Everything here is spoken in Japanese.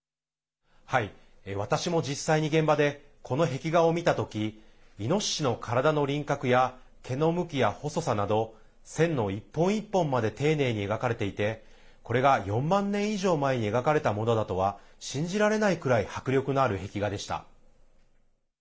私も実際に現場でこの壁画を見たときイノシシの体の輪郭や毛の向きや細さなど線の一本一本まで丁寧に描かれていてこれが４万年以上前に描かれたものだとは信じられないくらい迫力のある壁画でした。